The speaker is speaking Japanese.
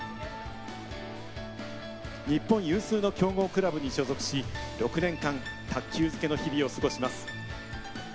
日本有数の強豪クラブに所属し６年間卓球漬けの日々を過ごします。